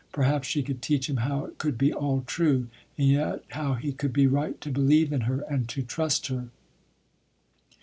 Perhaps she could teach him how it could be all true, and yet how he could be right to believe in her and to trust her.